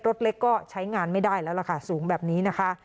รถเล็กก็ใช้งานไม่ได้แล้วล่ะค่ะสูงแบบนี้นะคะ